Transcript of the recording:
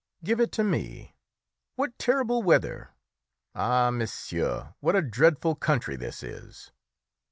"Give it to me. What terrible weather! Ah, monsieur, what a dreadful country this is!"